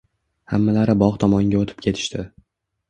Hammalari bog‘ tomonga o‘tib ketishdi